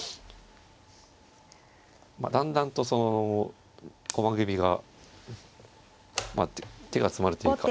だんだんとその駒組みが手が詰まるというか。